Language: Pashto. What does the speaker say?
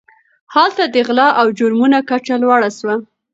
هلته د غلا او جرمونو کچه لوړه سوه.